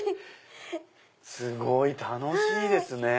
すごい楽しいですね。